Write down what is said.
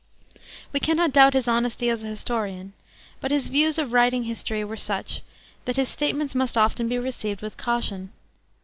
'* We cannot doubt his honesty as a historian; but his views of writing history were such that his statements must often be received with caution.